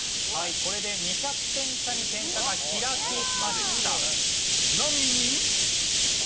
これで２００点差に点差が開きました。